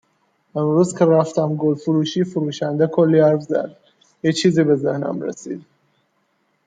امروز که رفتم گلفروشی، فروشنده کلی حرف زد، یه چیزی به ذهنم رسید